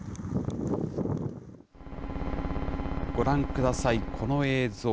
ご覧ください、この映像。